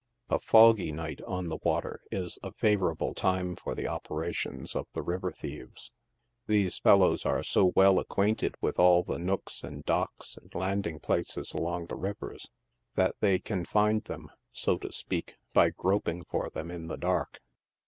A foggy night on the water is a favorable time for the operations of the river thieves. These fellows are so well acquainted with all the nooks and docks and landing places along the rivers, that they can find them, so to speak, by groping for them in the dark.